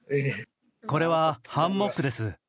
これはハンモックです。